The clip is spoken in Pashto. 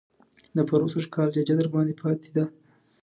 د پروسږ کال ججه درباندې پاتې ده.